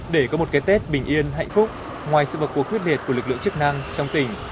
để có một cái tết bình yên hạnh phúc ngoài sự vật cuộc quyết liệt của lực lượng chức năng trong tỉnh